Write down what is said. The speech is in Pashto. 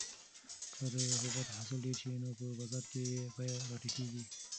که د حبوباتو حاصل ډېر شي نو په بازار کې یې بیه راټیټیږي.